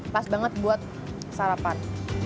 pas banget buat sarapan